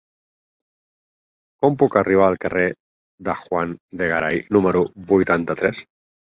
Com puc arribar al carrer de Juan de Garay número vuitanta-tres?